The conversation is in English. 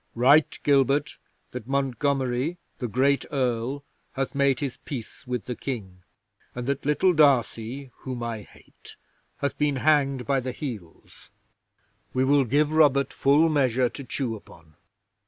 "Write, Gilbert, that Montgomery, the great Earl, hath made his peace with the King, and that little D'Arcy, whom I hate, hath been hanged by the heels. We will give Robert full measure to chew upon.